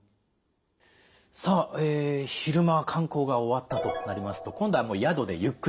さあ昼間観光が終わったとなりますと今度はもう宿でゆっくりと過ごすということですね。